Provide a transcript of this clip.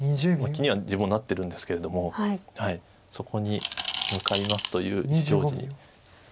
まあ気には自分もなってるんですけれどもそこに向かいますという意思表示。